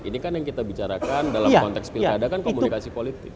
ini kan yang kita bicarakan dalam konteks pilkada kan komunikasi politik